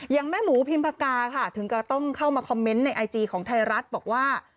แม่หมูพิมพากาค่ะถึงกับต้องเข้ามาคอมเมนต์ในไอจีของไทยรัฐบอกว่า